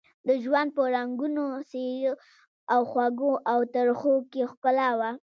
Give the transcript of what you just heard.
د ژوند په رنګونو، څېرو او خوږو او ترخو کې ښکلا وه.